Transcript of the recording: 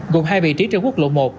gồm hai vị trí trên quốc lộ một